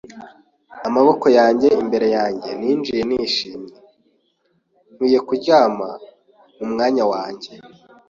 Amaboko yanjye imbere yanjye ninjiye nshikamye. Nkwiye kuryama mu mwanya wanjye